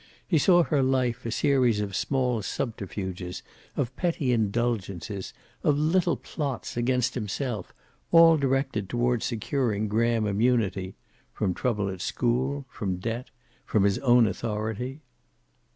He saw her life a series of small subterfuges, of petty indulgences, of little plots against himself, all directed toward securing Graham immunity from trouble at school, from debt, from his own authority.